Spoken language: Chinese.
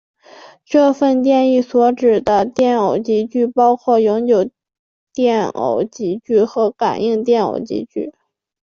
这定义所指的电偶极矩包括永久电偶极矩和感应电偶极矩。